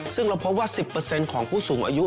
ซึ่งเราพบว่า๑๐ของผู้สูงอายุ